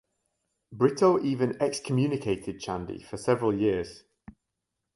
Britto even excommunicated Chandy for several years.